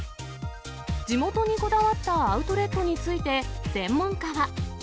地元にこだわったアウトレットについて、専門家は。